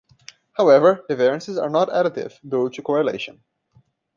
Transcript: However, the variances are not additive due to the correlation.